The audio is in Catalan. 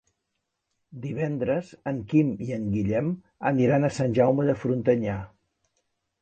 Divendres en Quim i en Guillem aniran a Sant Jaume de Frontanyà.